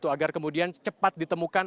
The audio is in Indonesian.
agar kemudian cepat ditemukan